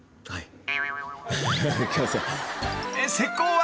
はい。